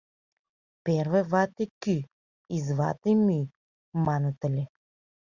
— Первый вате — кӱ, извате — мӱй, маныт ыле.